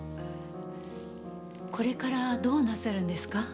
これからどうなさるんですか？